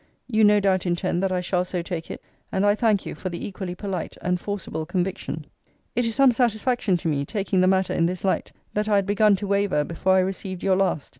You no doubt intend that I shall so take it; and I thank you for the equally polite and forcible conviction. It is some satisfaction to me (taking the matter in this light) that I had begun to waver before I received your last.